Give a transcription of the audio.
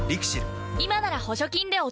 今なら補助金でお得